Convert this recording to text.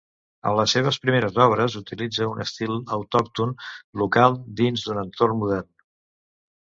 En les seves primeres obres utilitza un estil autòcton local dins d'un entorn modern.